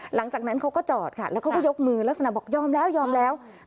หลังจากนั้นเขาก็จอดค่ะแล้วเขาก็ยกมือลักษณะบอกยอมแล้วยอมแล้ว